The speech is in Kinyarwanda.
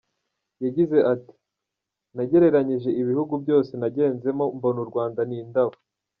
Yagize ati “Nagereranyije ibihugu byose nagenzemo mbona u Rwanda ni indabo.